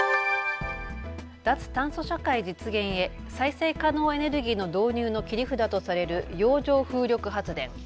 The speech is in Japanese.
脱炭素社会実現へ再生可能エネルギーの導入の切り札とされる洋上風力発電。